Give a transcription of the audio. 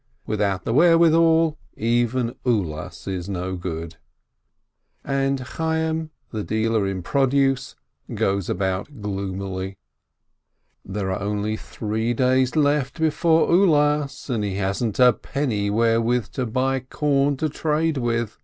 Without the wherewithal, even Ulas is no good ! And Chayyim, the dealer in produce, goes about gloomily. There are only three days left before Ulas, and he hasn't a penny wherewith to buy corn to trade with.